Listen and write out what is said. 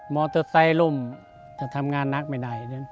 อเตอร์ไซค์ล่มจะทำงานหนักไม่ได้